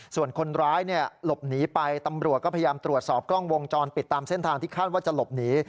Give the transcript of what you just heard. ส่วนคนร้ายหลบหนีไปตำรวจก็พยายามตรวจสอบกล้องวงจรปิดตามเส้นทางที่คาดว่าจะหลบหนี